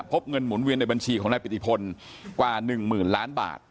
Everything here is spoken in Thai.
พบเงินหมุนเวียนในบัญชีของนายปิติพลกว่า๑หมื่นล้านบาท